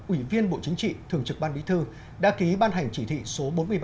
ủy viên bộ chính trị thường trực ban bí thư đã ký ban hành chỉ thị số bốn mươi ba